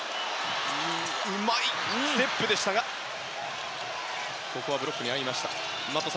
うまいステップでしたがここはブロックにあいました。